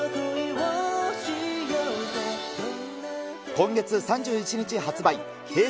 今月３１日発売、Ｈｅｙ！